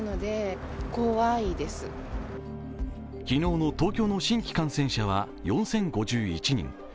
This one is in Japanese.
昨日の東京の新規感染者は４０５１人。